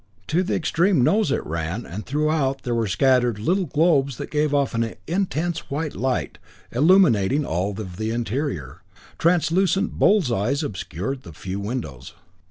To the extreme nose it ran, and throughout there were scattered little globes that gave off an intense white light, illuminating all of the interior. Translucent bull's eyes obscured the few windows.